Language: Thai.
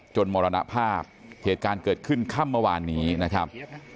มรณภาพเหตุการณ์เกิดขึ้นค่ำเมื่อวานนี้นะครับ